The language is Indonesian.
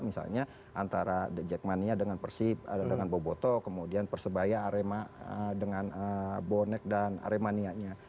misalnya antara the jackmania dengan persib ada dengan boboto kemudian persebaya arema dengan bonek dan aremanianya